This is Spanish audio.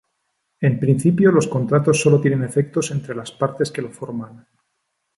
En principio, los contratos sólo tienen efectos entre las partes que lo forman.